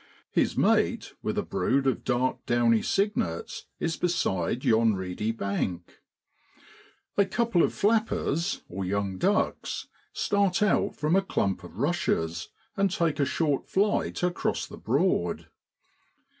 His mate, with a brood of dark downy cygnets, is beside yon reedy bank. A couple of flappers (young ducks) start out from a clump of rushes and take a short flight across the Broad.